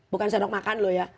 bukan sendok makan loh ya